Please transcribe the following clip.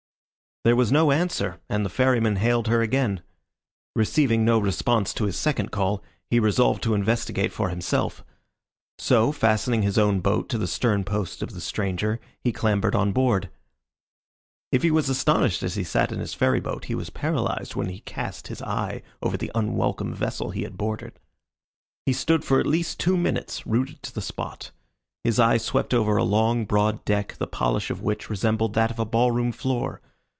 There was no answer, and the Ferryman hailed her again. Receiving no response to his second call, he resolved to investigate for himself; so, fastening his own boat to the stern post of the stranger, he clambered on board. If he was astonished as he sat in his ferry boat, he was paralyzed when he cast his eye over the unwelcome vessel he had boarded. He stood for at least two minutes rooted to the spot. His eye swept over a long, broad deck, the polish of which resembled that of a ball room floor.